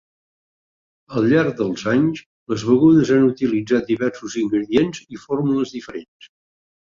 Al llarg dels anys, les begudes han utilitzat diversos ingredients i fórmules diferents.